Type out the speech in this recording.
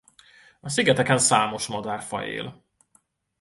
A szigeteken számos madárfaj él.